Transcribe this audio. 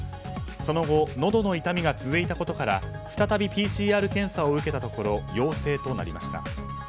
その後、のどの痛みが続いたことから再びＰＣＲ検査を受けたところ陽性となりました。